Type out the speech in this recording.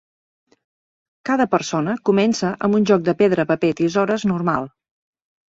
Cada persona comença amb un joc de pedra, paper, tisores normal.